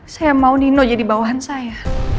saya mau nino jadi bawahan saya